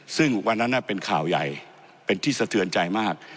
ซึ่งวันนั้นเป็นข่าวใหญ่เป็นที่สะเทือนใจมาก